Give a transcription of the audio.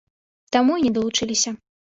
Таму і не далучыліся.